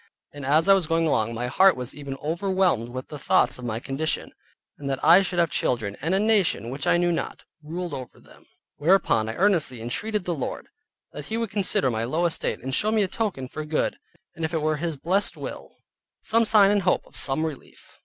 And as I was going along, my heart was even overwhelmed with the thoughts of my condition, and that I should have children, and a nation which I knew not, ruled over them. Whereupon I earnestly entreated the Lord, that He would consider my low estate, and show me a token for good, and if it were His blessed will, some sign and hope of some relief.